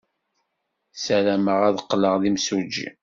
Ssarameɣ ad qqleɣ d imsujji.